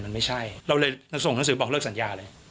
มันไม่ใช่เราเลยส่งหนังสือบอกเลิกสัญญาเลย